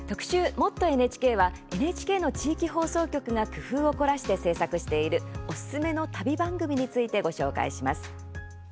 「もっとＮＨＫ」はＮＨＫの地域放送局が工夫を凝らして制作しているおすすめの旅番組について紹介します。